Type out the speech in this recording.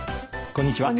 こんにちは。